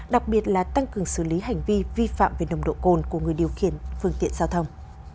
đặc biệt là tăng cường xử lý hành vi vi phạm về nồng độ cồn của người điều khiển phương tiện giao thông